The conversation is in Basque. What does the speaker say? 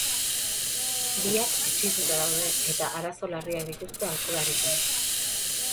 Biak etsituta daude eta arazo larriak dituzte alkoholarekin.